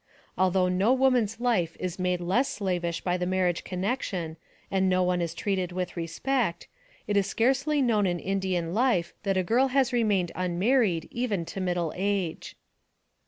Although no woman's life is made less slavish by the marriage con nection, and no one is treated with respect, it i. scarcely known in Indian life that a girl has remained unmar ried even to middle age.